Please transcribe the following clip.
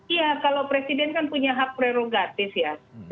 iya kalau presiden kan punya hak prerogatif ya